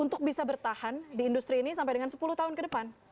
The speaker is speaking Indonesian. untuk bisa bertahan di industri ini sampai dengan sepuluh tahun ke depan